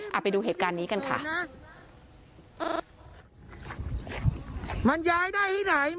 เอาไปดูเหตุการณ์นี้กันค่ะ